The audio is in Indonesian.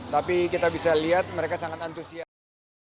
tapi kita bisa lihat mereka sangat antusias